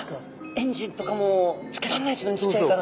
エンジンとかもつけられないですもんねちっちゃいから。